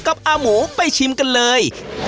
อาหมูไปชิมกันเลย